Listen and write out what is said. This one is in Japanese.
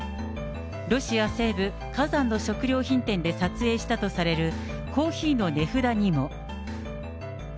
ロシア西部、カザンの食料品店で撮影したとされる、コーヒーの値札にも。